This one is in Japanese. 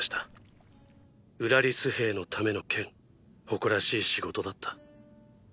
ウラリス兵のための剣誇らしい仕事だった。